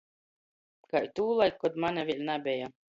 Kai tūlaik, kod mane vēļ nabeja.